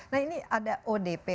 nah ini ada odp orang dalam